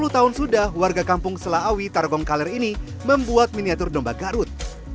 sepuluh tahun sudah warga kampung selaawi targong kaler ini membuat miniatur domba garut